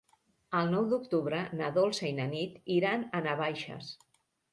El nou d'octubre na Dolça i na Nit iran a Navaixes.